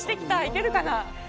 行けるかな？